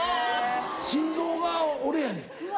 心臓が俺やねん。